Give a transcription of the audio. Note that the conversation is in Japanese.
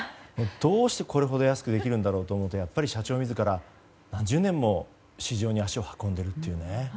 どうしてこれほど安くできるんだろうと思うとやっぱり社長自ら何十年も市場に足を運んでいるというね。